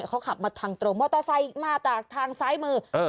เขาขับมาทางตรงมอเตอร์ไซค์มาจากทางซ้ายมือ